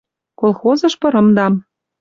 Колхозыш пырымдам